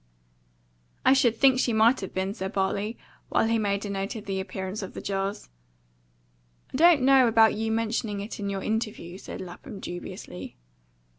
"I should think she might have been," said Bartley, while he made a note of the appearance of the jars. "I don't know about your mentioning it in your interview," said Lapham dubiously.